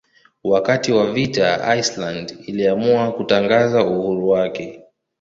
Wakati wa vita Iceland iliamua kutangaza uhuru wake.